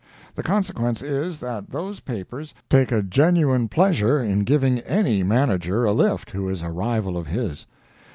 The consequence is, that those papers take a genuine pleasure in giving any manager a lift who is a rival of his.